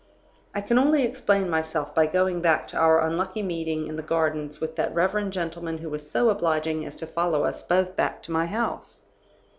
"I can only explain myself by going back to our unlucky meeting in the Gardens with that reverend gentleman who was so obliging as to follow us both back to my house.